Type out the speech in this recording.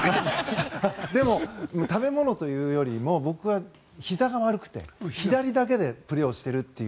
でも、食べ物というよりも僕はひざが悪くて左だけでプレーをしているという。